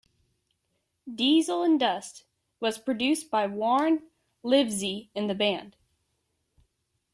"Diesel and Dust" was produced by Warne Livesey and the band.